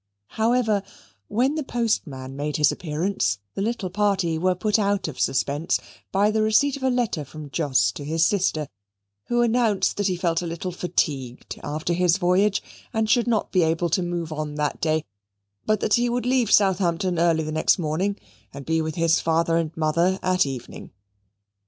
However, when the postman made his appearance, the little party were put out of suspense by the receipt of a letter from Jos to his sister, who announced that he felt a little fatigued after his voyage, and should not be able to move on that day, but that he would leave Southampton early the next morning and be with his father and mother at evening.